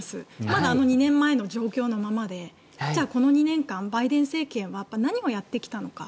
まだ２年前の状況のままでこの２年間バイデン政権は何をやってきたのか。